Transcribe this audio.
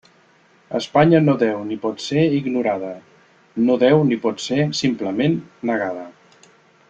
Espanya no deu ni pot ser ignorada, no deu ni pot ser —simplement— negada.